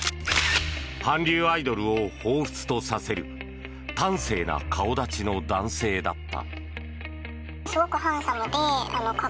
韓流アイドルをほうふつとさせる端正な顔立ちの男性だった。